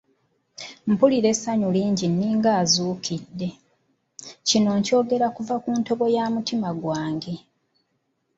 Mpulira essanyu ninga azuukidde, kino kyongera kuva ku ntobo y’omutima gwange.